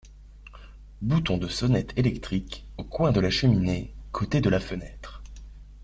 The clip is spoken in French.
Bouton de sonnette électrique au coin de la cheminée, côté de la fenêtre.